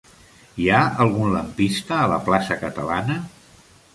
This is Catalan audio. Hi ha algun lampista a la plaça Catalana?